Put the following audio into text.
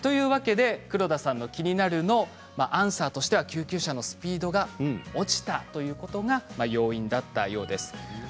黒田さんの気になるのアンサーとしては救急車のスピードが落ちたということが要因だったようです。